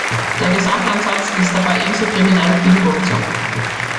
Der Gesamtansatz ist dabei ebenso kriminell wie die Produktion.